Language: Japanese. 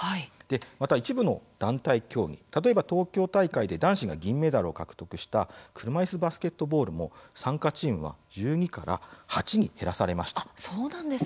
また一部の団体競技例えば、東京大会で男子が銀メダルを獲得した車いすバスケットボールも参加チームは１２から８に減らされました。